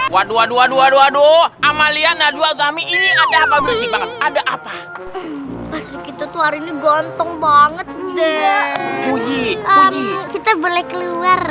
waduh waduh waduh waduh amalia najwa zami ini ada apa ada apa ganteng banget deh kita boleh keluar